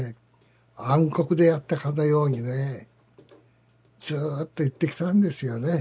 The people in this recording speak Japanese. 暗黒であったかのようにねずっと言ってきたんですよね。